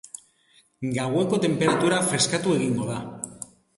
Gaueko tenperatura freskatu egingo da.